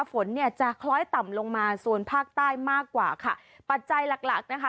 ฝนเนี่ยจะคล้อยต่ำลงมาส่วนภาคใต้มากกว่าค่ะปัจจัยหลักหลักนะคะ